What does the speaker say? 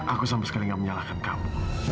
aku sama sekali gak menyalahkan kamu